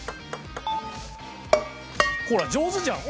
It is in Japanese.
ほら上手じゃん。